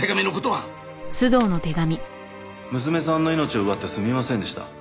「娘さんの命を奪ってすみませんでした」